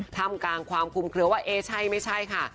ทำกลางความคุมเคลือว่าเอ๊ใช่ไม่ใช่ค่ะ